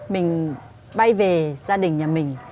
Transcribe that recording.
mình bay về gia đình nhà mình